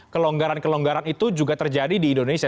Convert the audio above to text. kelonggaran kelonggaran itu juga terjadi di indonesia